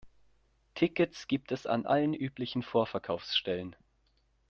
Tickets gibt es an allen üblichen Vorverkaufsstellen.